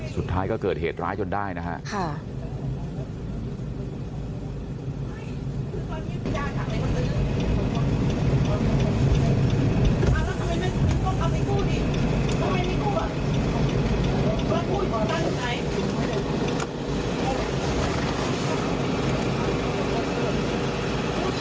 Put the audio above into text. สุดท้ายก็เกิดเหตุร้ายจนได้นะครับ